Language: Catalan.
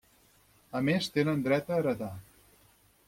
A més tenen dret a heretar.